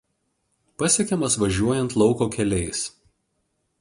Pasiekiamas važiuojant lauko keliais.